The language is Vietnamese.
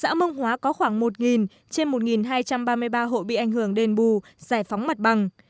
xã mông hóa có khoảng một trên một hai trăm ba mươi ba hộ bị ảnh hưởng đền bù giải phóng mặt bằng